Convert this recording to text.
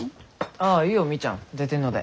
ああいいよみーちゃん出てんので。